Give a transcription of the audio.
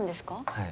はい。